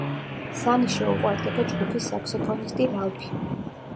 სანის შეუყვარდება ჯგუფის საქსოფონისტი რალფი.